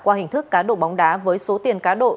qua hình thức cá độ bóng đá với số tiền cá độ